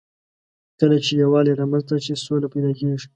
کله چې یووالی رامنځ ته شي، سوله پيدا کېږي.